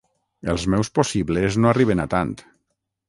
Els meus possibles no arriben a tant!